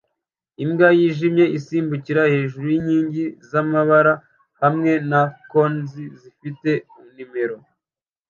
Imbwa yijimye isimbukira hejuru yinkingi zamabara hamwe na cones zifite numero